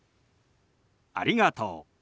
「ありがとう」。